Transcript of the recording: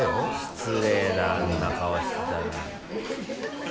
失礼だあんな顔してたら。